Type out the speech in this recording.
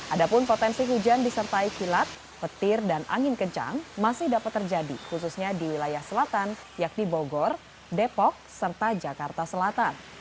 adapun potensi hujan disertai kilat petir dan angin kencang masih dapat terjadi khususnya di wilayah selatan yakni bogor depok serta jakarta selatan